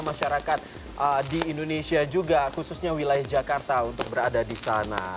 masyarakat di indonesia juga khususnya wilayah jakarta untuk berada di sana